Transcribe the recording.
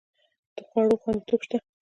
د خوړو خوندیتوب شته؟